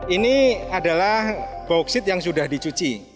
ini adalah bauksit yang sudah dicuci